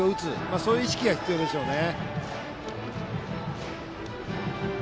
そういう意識が必要でしょうね。